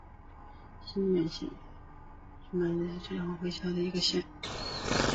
兴元县是越南乂安省下辖的一个县。